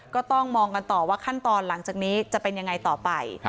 ก็ต้องมองกันต่อว่าขั้นตอนหลังจากนี้จะเป็นยังไงต่อไป